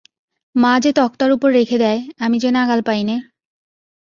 মা যে তক্তার ওপর রেখে দ্যায়, আমি যে নাগাল পাইনে?